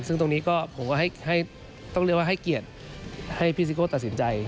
ซึ่งตรงนี้ก็ผมก็ต้องเรียกว่าให้เกียรติให้พี่ซิโก้ตัดสินใจ